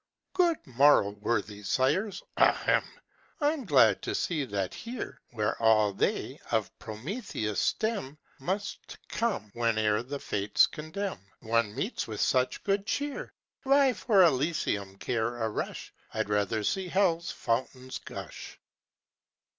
"Good morrow, worthy sirs! Ahem! I'm glad to see that here (Where all they of Prometheus' stem Must come, whene'er the Fates condemn) One meets with such good cheer! Why for Elysium care a rush? I'd rather see hell's fountains gush!"